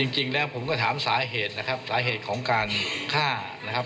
จริงแล้วผมก็ถามสาเหตุนะครับสาเหตุของการฆ่านะครับ